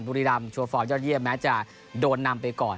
บุรีรำโชว์ฟอร์มยอดเยี่ยมแม้จะโดนนำไปก่อน